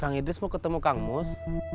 bang idris mau ketemu kang mus